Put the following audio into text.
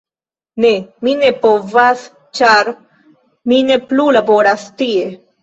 Ne. Mi ne povas ĉar mi ne plu laboras tie.